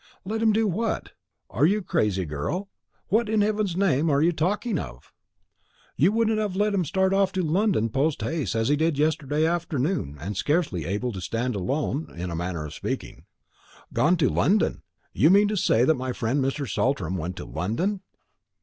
"Let him do what? Are you crazy, girl? What, in heaven's name, are you talking of?" "You wouldn't have let him start off to London post haste, as he did yesterday afternoon, and scarcely able to stand alone, in a manner of speaking." "Gone to London! Do you mean to say that my friend Mr. Saltram went to London?"